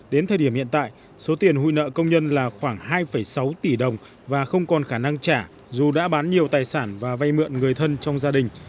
đến thời điểm hiện tại số tiền hụi nợ công nhân là khoảng hai sáu tỷ đồng và không còn khả năng trả dù đã bán nhiều tài sản và vay mượn người thân trong gia đình